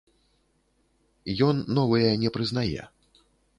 Ён новыя не прызнае.